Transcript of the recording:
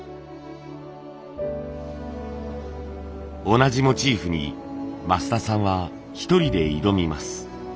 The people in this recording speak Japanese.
同じモチーフに増田さんは一人で挑みます。